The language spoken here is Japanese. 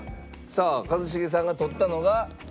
さあ一茂さんが取ったのが。